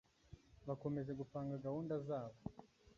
bakomeje gupanga gahunda zabo